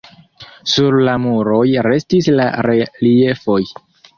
Sur la muroj restis la reliefoj.